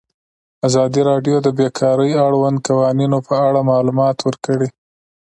ازادي راډیو د بیکاري د اړونده قوانینو په اړه معلومات ورکړي.